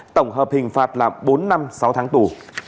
tổng hợp hình phạt là bốn năm sáu tháng tù